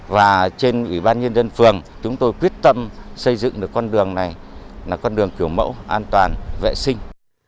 và trên ủy ban nhân dân phường chúng tôi quyết tâm xây dựng được con đường này là con đường kiểu mẫu an toàn vệ sinh